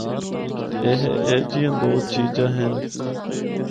ایہہ ایجیاں دو چیجاں ہن۔